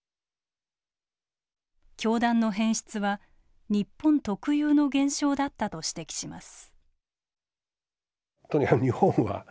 教団の変質は日本特有の現象だったと指摘します。